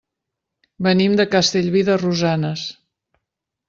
Venim de Castellví de Rosanes.